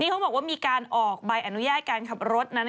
เขาบอกว่ามีการออกใบอนุญาตการขับรถนั้น